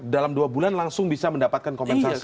dalam dua bulan langsung bisa mendapatkan kompensasi